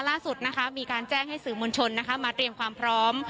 ล่าสุดนะคะมีการแจ้งให้สื่อมวลชนมาเตรียมความพร้อม